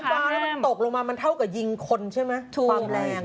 มีปืนฟ้าแล้วมันตกลงมาเท่ากับยิงคนใช่ไหม